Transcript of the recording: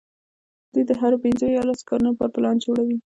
دوی د هرو پینځو یا لسو کلونو لپاره پلان جوړوي.